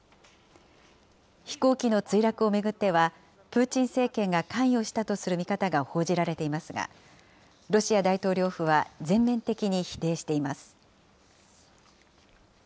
飛行機の墜落を巡っては、プーチン政権が関与したとする見方が報じられていますが、ロシア大統領府は全面的に否定しています。